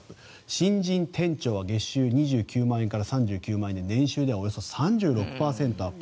新人店長は月収２９万円から３９万円で年収ではおよそ３６％アップ。